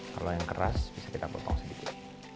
kalau yang keras bisa kita potong sedikit